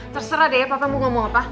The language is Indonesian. terserah deh ya papa mau ngomong apa